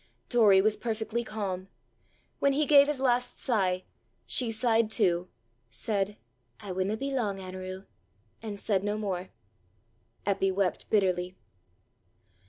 Doory was perfectly calm. When he gave his last sigh, she sighed too, said, "I winna be lang, Anerew!" and said no more. Eppy wept bitterly.